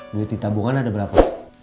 duit ditabungan ada berapa